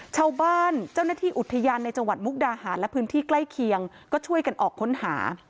ชาวบ้านเจ้าหน้าที่อุทยานในจังหวัดมุกดาหารและพื้นที่ใกล้เคียงก็ช่วยกันออกค้นหา